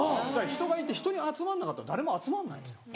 人がいて人に集まんなかったら誰も集まんないんですよ。